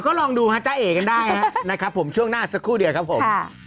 ก็ลองดูฮะจ้าเอ๋กันได้นะครับผมช่วงหน้าสักครู่เดียวครับผม